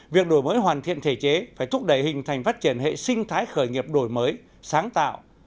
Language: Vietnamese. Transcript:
việc đổi mới hoàn thiện thể chế phải thúc đẩy hình thành phát triển hệ sinh thái khởi nghiệp đổi mới sáng tạo